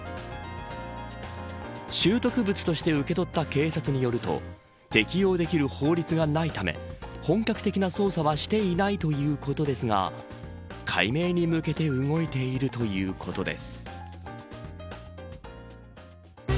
拾得物として受け取った警察によると適用できる法律がないため本格的な捜査はしていないということですが解明に向けて動いているということです。